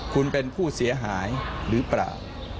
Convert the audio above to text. คุณเป็นผู้เสียหายหรือเปล่า